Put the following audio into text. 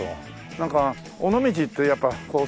なんか尾道ってやっぱ坂っていうか